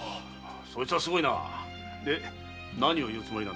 そいつはすごいなで何を言うつもりなんだ？